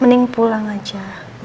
mending pulang aja